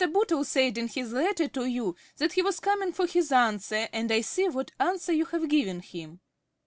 Bootle said in his letter to you that he was coming for his answer, and I see what answer you have given him.